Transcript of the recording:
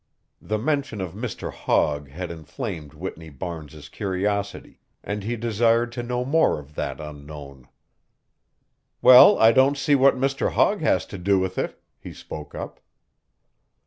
The mention of Mr. Hogg had inflamed Whitney Barnes's curiosity, and he desired to know more of that unknown. "Well, I don't see what Mr. Hogg has to do with it," he spoke up.